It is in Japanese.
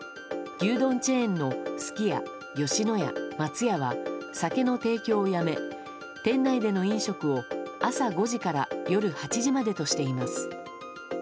牛丼チェーンのすき家、吉野家、松屋は酒の提供をやめ、店内での飲食を朝５時から夜８時までとしています。